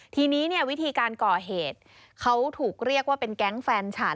ทีนี้เนี่ยวิธีการก่อเหตุเขาถูกเรียกว่าเป็นแก๊งแฟนฉัน